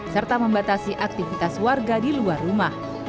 serta membatasi aktivitas warga di luar rumah